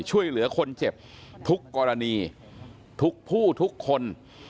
ช่วยเหลือคนเจ็บทุกกรณีทุกผู้ทุกคน